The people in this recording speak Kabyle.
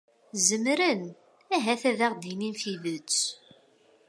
Zemren, ahat, ad aɣ-d-inin tidet.